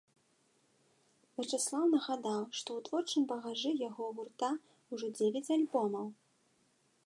Вячаслаў нагадаў, што ў творчым багажы яго гурта ўжо дзевяць альбомаў.